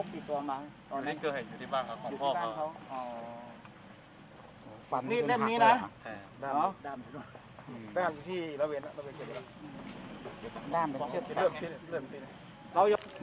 นี่เห็นแบบนี้นะใช่อ๋อ